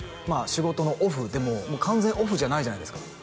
仕事のオフでも完全オフじゃないじゃないですか